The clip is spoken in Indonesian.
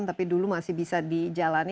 tapi dulu masih bisa dijalani